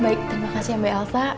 baik terima kasih mba elsa